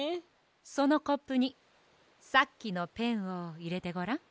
そのコップにさっきのペンをいれてごらん。